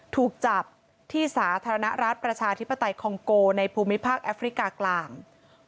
ถูกจับที่สาธารณรัฐประชาธิปไตยคองโกในภูมิภาคแอฟริกากลาง